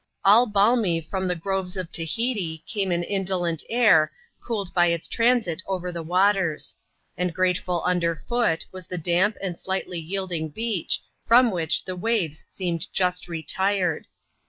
All balmy from the groves of Tahiti, came an indolent air, cooled by its transit over the waters ; and grateful under foot^ was the damp and slightly yielding beach, from which the waves seemed just retired.